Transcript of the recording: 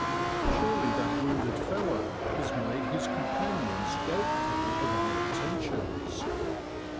Surely that wounded fellow has made his companions doubtful of our inten tions.